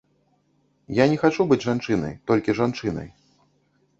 Я не хачу быць жанчынай, толькі жанчынай.